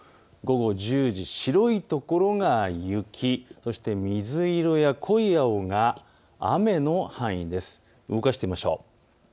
午後１０時、白いところが雪、そして水色や濃い青が雨の範囲です。